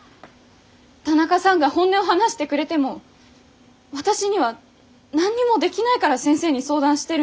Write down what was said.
田中さんが本音を話してくれても私には何にもできないから先生に相談してるんです。